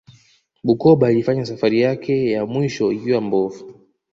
bukoba ilifanya safari yake ya mwisho ikiwa mbovu